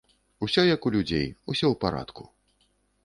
Усё як у людзей, усё ў парадку.